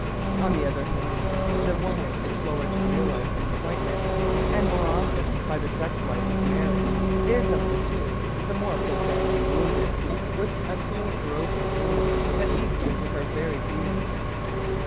On the other hand, the woman is slower to realise disappointment, and more often by the sex life of marriage is of the two the more profoundly wounded, with a slow corrosive wound that eats into her very being.